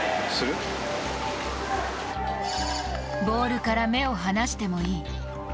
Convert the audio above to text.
ボールから目を離してもいい。